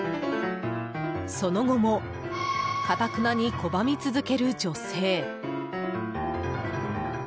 その後もかたくなに拒み続ける女性。